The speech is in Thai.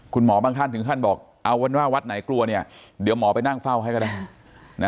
บางท่านถึงขั้นบอกเอาเป็นว่าวัดไหนกลัวเนี่ยเดี๋ยวหมอไปนั่งเฝ้าให้ก็ได้